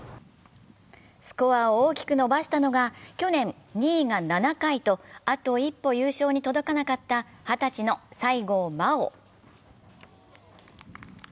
スコアを大きく伸ばしたのが去年、２位が７回と、あと一歩優勝に届かなかった二十歳の西郷真央。